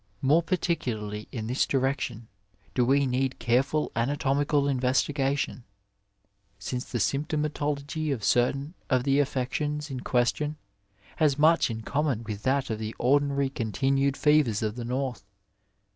More par ticularly in this direction do we need careful anatomical investigation, since the symptomatology of certain of the affections in question has much in common with that of the ordinary continued fevers of the North.